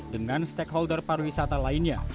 dengan stakeholder pariwisata lainnya